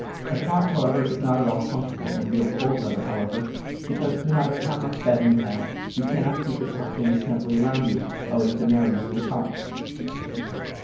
A cot, however, is not at all comfort able in real cold weather, because, no matter how much bedding you have, you cannot keep it tucked in snugly around you, owing to the narrowness of the cot.